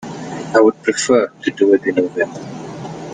I would prefer to do it in November.